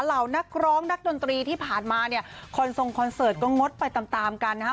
เหล่านักร้องนักดนตรีที่ผ่านมาเนี่ยคอนทรงคอนเสิร์ตก็งดไปตามตามกันนะฮะ